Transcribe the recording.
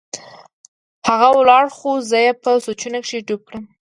هغه ولاړ خو زه يې په سوچونو کښې ډوب کړم.